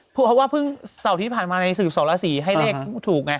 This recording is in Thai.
เพราะว่าเพิ่งเสาที่ผ่านมาใน๔๒ละ๔ให้เลขถูกไง